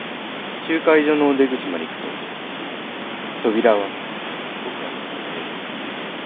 集会所の出口まで行くと、扉を開け、僕は外に出る。